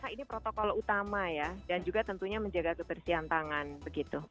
ini protokol utama ya dan juga tentunya menjaga kebersihan tangan begitu